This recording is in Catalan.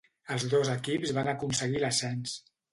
Els dos equips van aconseguir l'ascens.